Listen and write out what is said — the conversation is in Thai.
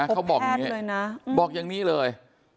เค้าบอกอย่างนี้เลยนะคะมีภาพแพทย์เลยนะ